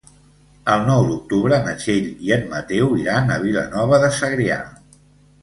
El nou d'octubre na Txell i en Mateu iran a Vilanova de Segrià.